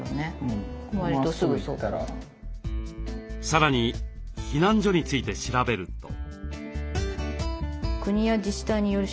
さらに避難所について調べると。